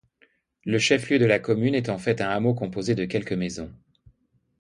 Le chef-lieu de la commune est en fait un hameau composé de quelques maisons.